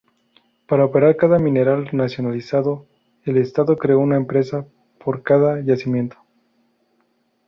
Para operar cada mineral nacionalizado el estado creó una empresa por cada yacimiento.